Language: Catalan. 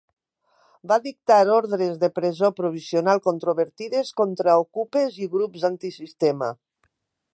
Va dictar ordres de presó provisional controvertides contra okupes i grups antisistema.